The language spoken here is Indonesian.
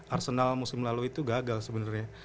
arsenal musim lalu itu gagal sebenarnya